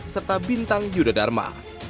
serta bintang yudha dharma